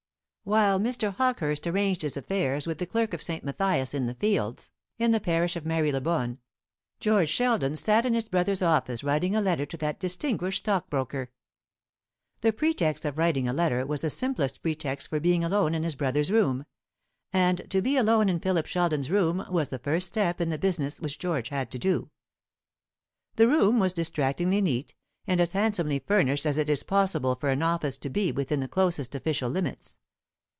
While Mr. Hawkehurst arranged his affairs with the clerk of St. Matthias in the fields, in the parish of Marylebone, George Sheldon sat in his brother's office writing a letter to that distinguished stockbroker. The pretext of writing a letter was the simplest pretext for being alone in his brother's room; and to be alone in Philip Sheldon's room was the first step in the business which George had to do. The room was distractingly neat, and as handsomely furnished as it is possible for an office to be within the closest official limits.